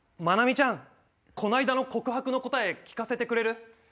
マナミちゃんこないだの告白の答え聞かせてくれる？